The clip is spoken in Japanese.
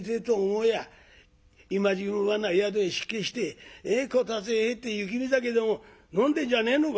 今時分はな宿へ失敬してこたつへ入って雪見酒でも飲んでんじゃねえのか？」。